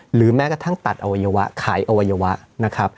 แม้กระทั่งตัดอวัยวะขายอวัยวะนะครับ